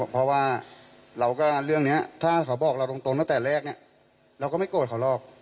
เพราะว่าเรื่องนี้ถ้าเขาบอกเราตรงตั้งแต่แรกเนี่ยเราก็ไม่โกรธเขาหรอก